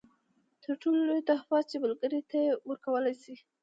تر ټولو لویه تحفه چې ملګري ته یې ورکولای شئ.